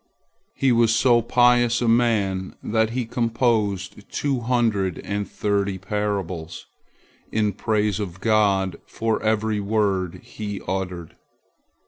He was so pious a man that he composed two hundred and thirty parables in praise of God for every word he uttered.